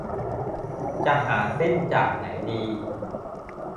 จะหาซิ่นจากไหนดี